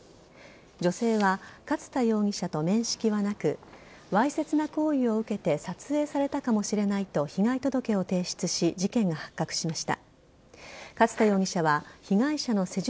女性は勝田容疑者と面識はなくわいせつな行為を受けて撮影されたかもしれないと被害届を提出し事件が発覚しました。